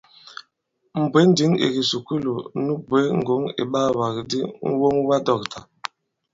Mɛ̀ bwě ǹndǐŋ ì kìsùkulù nu bwě ŋgɔ̂ŋ iɓaawàgàdi ŋ̀woŋwadɔ̂ktà.